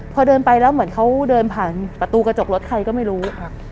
พอเดินไปแล้วเหมือนเขาเดินผ่านประตูกระจกรถใครก็ไม่รู้